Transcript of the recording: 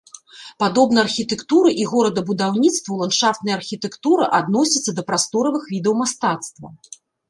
Падобна архітэктуры і горадабудаўніцтву ландшафтная архітэктура адносіцца да прасторавых відаў мастацтва.